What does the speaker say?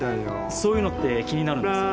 そういうのって気になるんですよね。